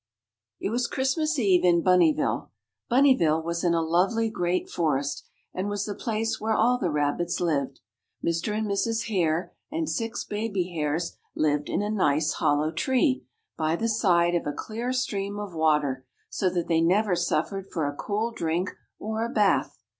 It was Christmas Eve in Bunnyville. Bunnyville was in a lovely great forest, and was the place where all the rabbits lived. Mr. and Mrs. Hare and six baby hares lived in a nice hollow tree, by the side of a clear stream of water, so that they never suffered for a cool drink or a bath.